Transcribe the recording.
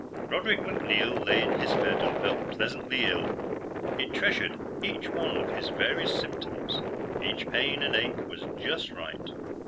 Broderick MacNeil lay in his bed and felt pleasantly ill. He treasured each one of his various symptoms; each pain and ache was just right.